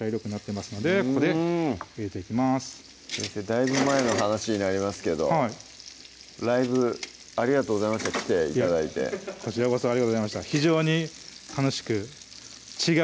だいぶ前の話になりますけどはいライブありがとうございました来て頂いてありがとうございました